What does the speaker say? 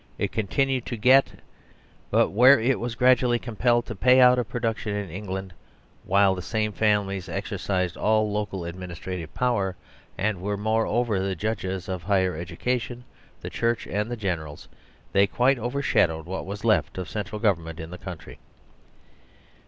It continued to get but i where it was gradually compelled to pay out 3. THE SERVILE STATE of production in England, while the same families exercised all local administrative power and were moreover the Judges, the Higher Education, the Church, and the generals. They quite overshadowed what was left of central government in this country.